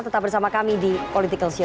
tetap bersama kami di political show